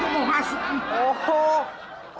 gue mau masuk